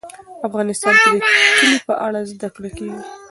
افغانستان کې د کلي په اړه زده کړه کېږي.